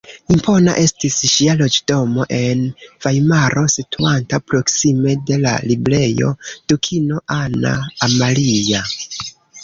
Impona estis ŝia loĝdomo en Vajmaro, situanta proksime de la Librejo Dukino Anna Amalia.